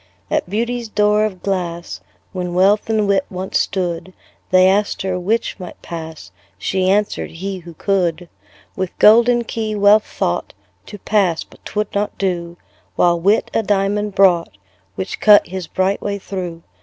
At Beauty's door of glass, When Wealth and Wit once stood, They asked her 'which might pass?" She answered, "he, who could." With golden key Wealth thought To pass but 'twould not do: While Wit a diamond brought, Which cut his bright way through.